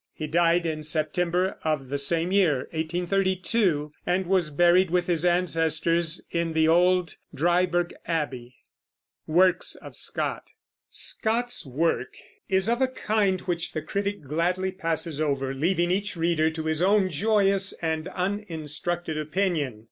He died in September of the same year, 1832, and was buried with his ancestors in the old Dryburgh Abbey. WORKS OF SCOTT. Scott's work is of a kind which the critic gladly passes over, leaving each reader to his own joyous and uninstructed opinion.